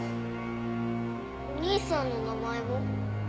お兄さんの名前は？